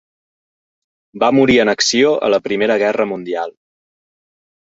Va morir en acció a la Primera Guerra Mundial.